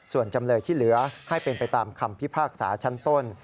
ส่วนจำเลยที่เหลือให้เป็นไปตามคำพิพากษาชั้นต้น